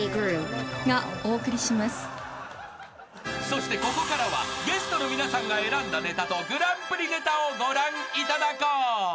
［そしてここからはゲストの皆さんが選んだネタとグランプリネタをご覧いただこう］